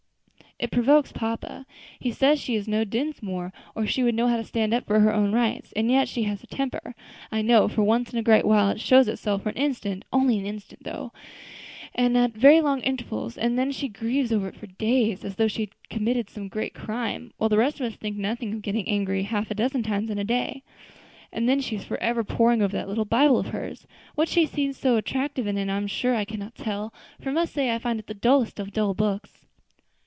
It provokes papa. He says she is no Dinsmore, or she would know how to stand up for her own rights; and yet she has a temper, I know, for once in a great while it shows itself for an instant only an instant, though, and at very long intervals and then she grieves over it for days, as though she had committed some great crime; while the rest of us think nothing of getting angry half a dozen times in a day. And then she is forever poring over that little Bible of hers; what she sees so attractive in it I'm sure I cannot tell, for I must say I find it the dullest of dull books."